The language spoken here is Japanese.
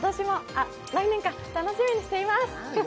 来年も楽しみにしています！